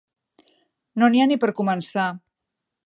No n'hi ha ni per a començar.